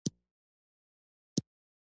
دا د چاپیریال ښه عایق کېدو سره اړیکه لري.